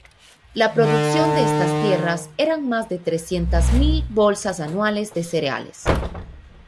La producción de estas tierras eran más de trescientas mil bolsas anuales de cereales.